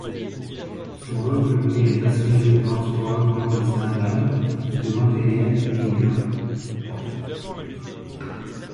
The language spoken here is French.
Son rôle premier est d’assurer le transport clandestin d’armes, de matériel, d’immigrants.